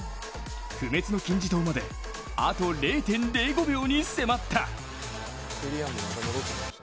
不滅の金字塔まであと０．０５秒まで迫った。